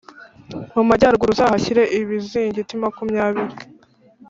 mu majyaruguru uzahashyire ibizingiti makumyabiri .